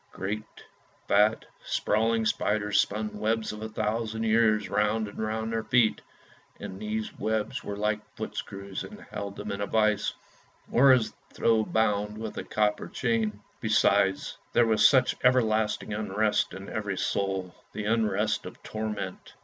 Great, fat, sprawling spiders spun webs of a thousand years round and round their feet ; and these webs were like footscrews and held them as in a vice, or as though bound with a copper chain. Besides, there was such everlasting unrest in every soul; the unrest of torment.